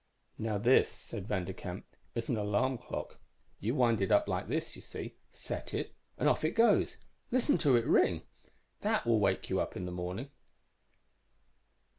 _ _"Now this," said Vanderkamp, "is an alarm clock. You wind it up like this, you see; set it, and off it goes. Listen to it ring! That will wake you up in the morning."